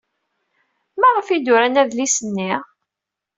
Maɣef ay d-uran adlis-nni?